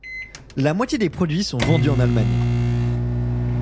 La moitié des produits sont vendus en Allemagne.